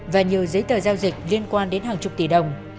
và nhiều giấy tờ giao dịch liên quan đến hàng chục tỷ đồng